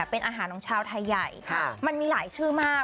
เป็นอาหารของชาวไทยใหญ่มันมีหลายชื่อมาก